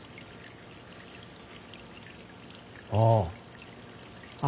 ああ。